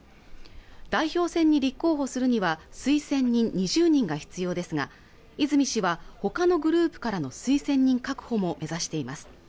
代表選に立候補するには推薦人２０人が必要ですが泉氏はほかのグループからの推薦人確保も目指しています